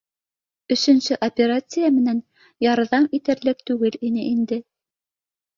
Өсөнсө операция менән ярҙам итерлек түгел ине инде